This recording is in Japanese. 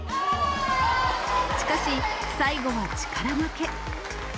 しかし、最後は力負け。